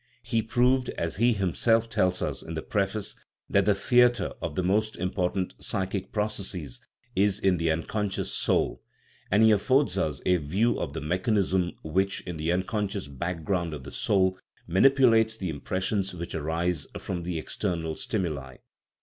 He proved, as he himself tells us in the preface, that the theatre of the THE NATURE OF THE SOUL most important psychic processes is in the " unconscious soul/' and he affords us "a view of the mechanism which, in the unconscious background of the soul, manipulates the impressions which arise from the ex ternal stimuli."